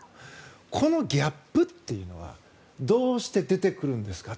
このギャップっていうのはどうして出てくるんですか？